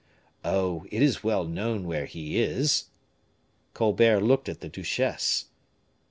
"Oh! it is well known where he is." Colbert looked at the duchesse.